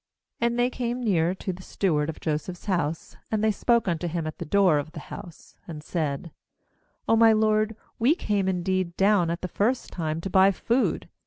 19And they came near to the steward of Joseph7s house, and they spoke unto him at the door of the house, 20and said: 'Oh my lord, we came in deed down at the first time to buy food.